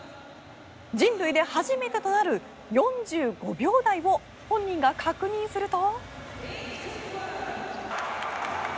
人類で初めてとなる４５秒台を本人が確認すると。